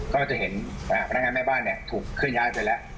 เขาจะเห็นพนักงานแม่บ้านถูกขึ้นย้ายเกิดแล้ว